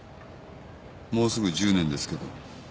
もうすぐ１０年ですけど。